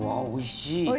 おいしい？